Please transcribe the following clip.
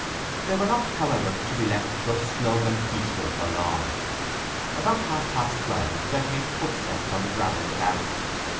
They were not, however, to be left thus snug and peaceful for long. About half past twelve there came footsteps on the gravel without.